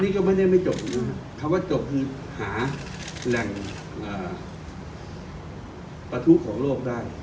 นี่ก็ไม่ได้ไม่จบนะครับคำว่าจบคือหาแหล่งประทุของโลกได้